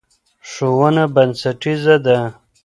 ښوونه بنسټیزه ده.